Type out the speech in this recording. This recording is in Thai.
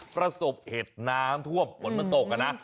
ประสบเหตุน้ำท่วมบนศตกนะ